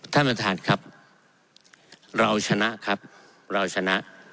ท่านประธานครับเราชนะครับเราชนะ